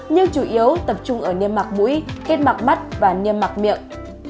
nhưng chủ yếu tập trung ở niêm mạc mũi kết mặc mắt và niêm mạc miệng